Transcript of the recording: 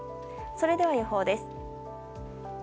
それでは予報です。